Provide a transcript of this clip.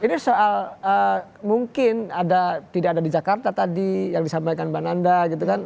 ini soal mungkin tidak ada di jakarta tadi yang disampaikan mbak nanda gitu kan